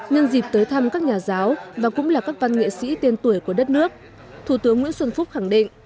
nhân dịp tới thăm các nhà giáo và cũng là các văn nghệ sĩ tiên tuổi của đất nước thủ tướng nguyễn xuân phúc khẳng định